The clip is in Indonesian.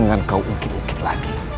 jangan kau ungkit ungkit lagi